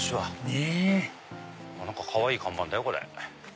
ねぇ何かかわいい看板だよこれ。